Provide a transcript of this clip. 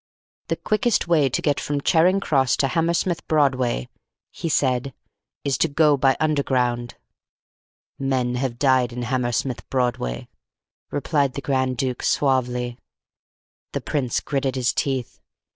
"The quickest way to get from Charing Cross to Hammersmith Broadway," he said, "is to go by Underground." "Men have died in Hammersmith Broadway," replied the Grand Duke suavely. The Prince gritted his teeth.